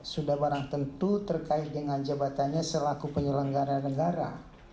sudah barang tentu terkait dengan jabatannya selaku penyelenggara negara